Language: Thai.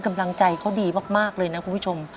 กำลังใจเขาดีมากเลยนะคุณผู้ชม